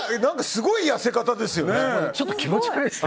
すごい痩せ方ですよね。